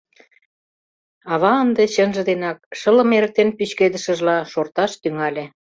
Ава ынде чынже денак, шылым эрыктен пӱчкедышыжла, шорташ тӱҥале.